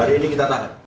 hari ini kita tahan